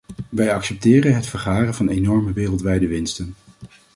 Wij accepteren het vergaren van enorme wereldwijde winsten.